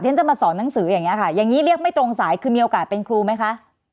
ฉันจะมาสอนหนังสืออย่างนี้ค่ะอย่างนี้เรียกไม่ตรงสายคือมีโอกาสเป็นครูไหมคะ